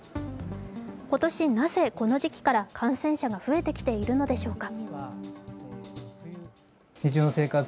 今年、なぜこの時期から感染者が増えてきているのでしょうか。